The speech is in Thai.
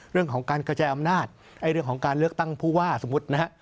เรื่องของการกระจายอำนาจเรื่องของการเลือกตั้งผู้ว่าสมมุตินะฮะ